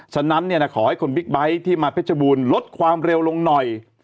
ฉะนั้นขอให้คุณบิ๊กไบท์ที่มาเพชรบูรณ์ลดความเร็วลงหน่อย